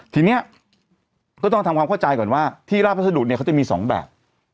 ทีนี้ก็ต้องทำความเข้าใจก่อนว่าที่ราบพัสดุเนี่ยเขาจะมี๒แบบ